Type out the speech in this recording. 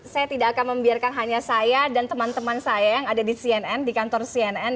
saya tidak akan membiarkan hanya saya dan teman teman saya yang ada di cnn di kantor cnn